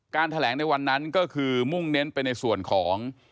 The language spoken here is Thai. แถลงในวันนั้นก็คือมุ่งเน้นไปในส่วนของ